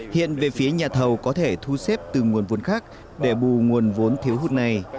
hiện về phía nhà thầu có thể thu xếp từ nguồn vốn khác để bù nguồn vốn thiếu hụt này